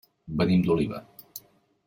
Venim d'Oliva.